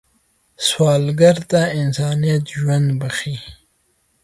سوالګر ته انسانیت ژوند بښي